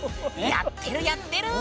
やってるやってる！